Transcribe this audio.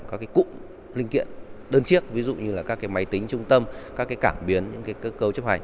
các cụm linh kiện đơn chiếc ví dụ như là các máy tính trung tâm các cảm biến những cơ cấu chấp hành